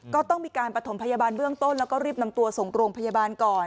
ก็ต้องมีการประถมพยาบาลเบื้องต้นแล้วก็รีบนำตัวส่งโรงพยาบาลก่อน